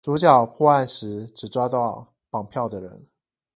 主角破案時只抓到綁票的人